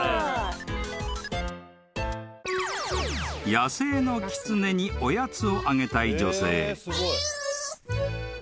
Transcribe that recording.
［野生のキツネにおやつをあげたい女性］